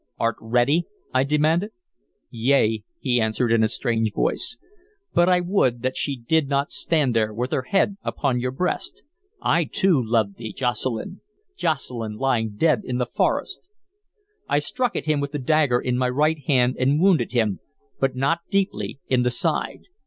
"Art ready?" I demanded. "Yea," he answered in a strange voice, "but I would that she did not stand there with her head upon your breast.... I too loved thee, Jocelyn, Jocelyn lying dead in the forest!" I struck at him with the dagger in my right hand, and wounded him, but not deeply, in the side.